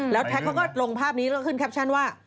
แล้วพระการณ์ก็ลงภาพบนี้แล้วก็ขึ้นแคปชั่นว่า